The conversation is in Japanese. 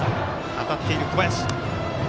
当たっている小林。